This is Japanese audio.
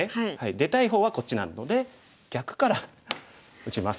出たい方はこっちなので逆から打ちます。